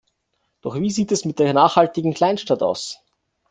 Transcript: Doch wie sieht es mit der nachhaltigen Kleinstadt aus?